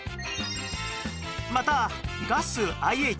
またガス ＩＨ